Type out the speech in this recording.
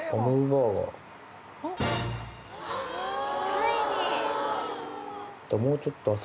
ついに！